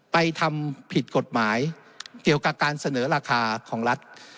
ทำผิดกฎหมายเกี่ยวกับการเสนอราคาของรัฐ